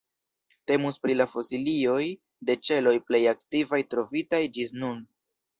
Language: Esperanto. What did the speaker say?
Temus pri la fosilioj de ĉeloj plej antikvaj trovitaj ĝis nun.